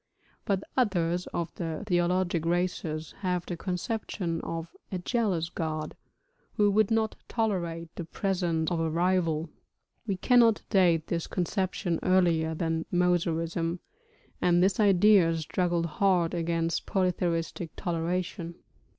But others of the theologic races have the conception of 'a jealous god,' who would not tolerate the presence of a rival. We cannot date this conception earlier than Mosaism, and this idea struggled hard against polytheistic toleration.